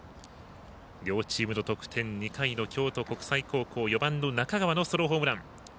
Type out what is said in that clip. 両チームの得点２回の京都国際高校４番の中川のソロホームラン。